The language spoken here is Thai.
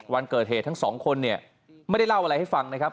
วันเกิดเหตุทั้งสองคนเนี่ยไม่ได้เล่าอะไรให้ฟังนะครับ